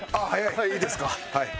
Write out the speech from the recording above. いいんですか？